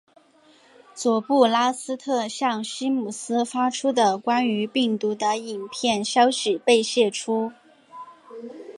佐布拉斯特向西姆斯发送的关于病毒的影片消息被泄出。